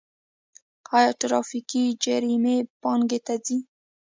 آیا ټرافیکي جریمې بانک ته ځي؟